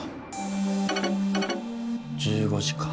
１５時か。